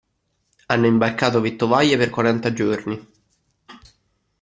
Hanno imbarcato vettovaglie per quaranta giorni.